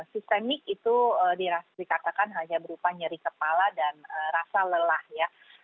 sistemik itu dikatakan hanya berupa nyeri kepala dan rasa lelah ya